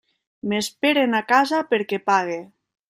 M'esperen a casa perquè pague.